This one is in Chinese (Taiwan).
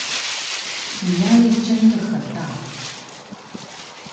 你壓力真的很大